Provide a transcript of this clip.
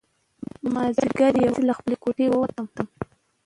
مازیګر یوازې له خپلې کوټې ووتم.